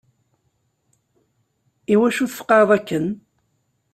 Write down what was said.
Iwacu tfeqeɛeḍ akken?